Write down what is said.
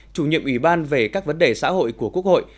chủ nhiệm ủy ban về các vấn đề xã hội của quốc hội